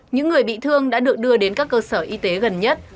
những người bị thương đã được đưa đến các cơ sở y tế gần nhất